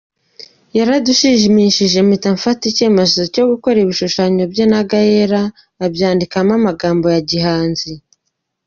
Yaradushimishije mpita mfata icyemezo cyo gukora ibishushanyo bye na Gael abyandikamo amagambo ya gihanzi.